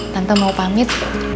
tante mau pamit